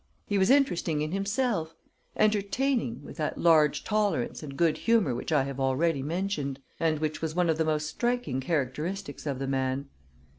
He was interesting in himself entertaining, with that large tolerance and good humor which I have already mentioned, and which was one of the most striking characteristics of the man.